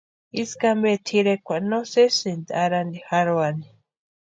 Ísku ampe tʼirekwa no sésïsti arhani jarhani.